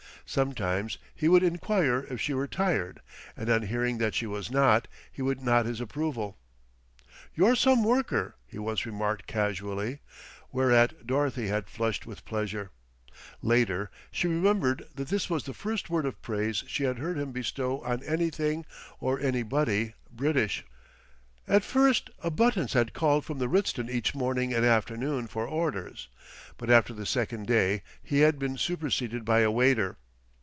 Sometimes he would enquire if she were tired, and on hearing that she was not he would nod his approval. "You're some worker," he once remarked casually, whereat Dorothy had flushed with pleasure. Later she remembered that this was the first word of praise she had heard him bestow on anything or anybody British. At first a buttons had called from the Ritzton each morning and afternoon for orders; but after the second day he had been superseded by a waiter.